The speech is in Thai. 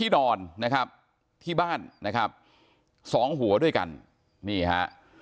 ด้วยกันนี่ฮะ